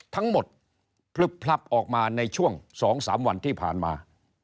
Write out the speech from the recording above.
ทั้งหมดพลึบพลับออกมาในช่วง๒๓วันที่ผ่านมา